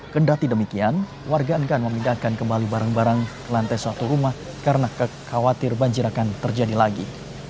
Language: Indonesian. kendati demikian warga enggan memindahkan kembali barang barang ke lantai satu rumah karena kekhawatir banjir akan terjadi lagi